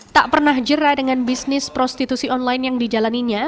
tak pernah jera dengan bisnis prostitusi online yang dijalaninya